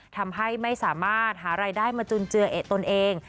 ทำให้ไม่สามารถหารายได้มาจุนเจือเอะตนเอง